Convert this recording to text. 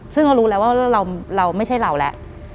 ซึ่งเขารู้แล้วว่าเราไม่ใช่เราแล้ว